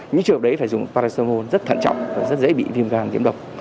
những trường hợp đấy phải dùng paracetamol rất thận trọng và rất dễ bị viêm gan diễm độc